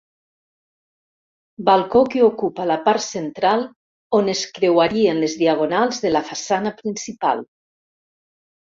Balcó que ocupa la part central on es creuarien les diagonals de la façana principal.